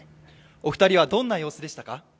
お二人はどんな様子でしたか？